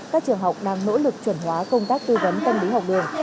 các trường học đang nỗ lực chuẩn hóa công tác tư vấn tâm lý học đường